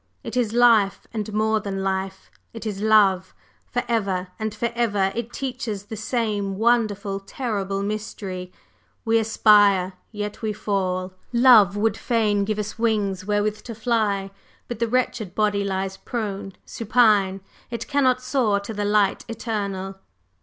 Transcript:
It is life, and more than life; it is love. Forever and forever it teaches the same wonderful, terrible mystery. We aspire, yet we fall; love would fain give us wings wherewith to fly; but the wretched body lies prone supine; it cannot soar to the Light Eternal."